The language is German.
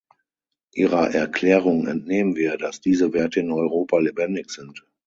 Ihrer Erklärung entnehmen wir, dass diese Werte in Europa lebendig sind.